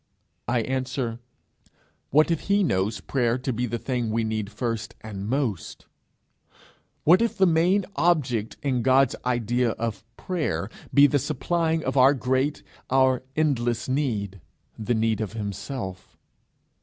I answer, What if he knows prayer to be the thing we need first and most? What if the main object in God's idea of prayer be the supplying of our great, our endless need the need of himself?